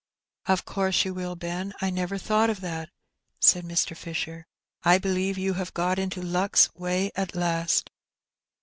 '' Of course you will, Ben ; I never thought of that," said Mr. Fisher. '' I believe you have got into luck's way at last."